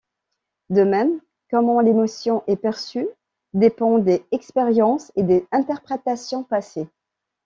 De même, comment l'émotion est perçue dépend des expériences et des interprétations passées.